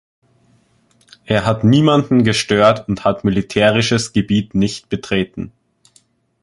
Er hat niemanden gestört und hat militärisches Gebiet nicht betreten.